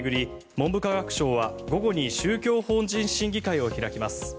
文部科学省は午後に宗教法人審議会を開きます。